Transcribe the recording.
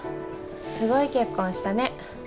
すごい結婚したね